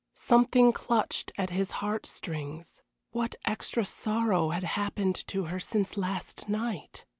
Something clutched at his heart strings. What extra sorrow had happened to her since last night?